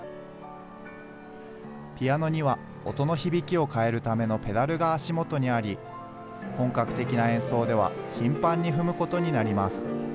ピアノには音の響きを変えるためのペダルが足元にあり、本格的な演奏では頻繁に踏むことになります。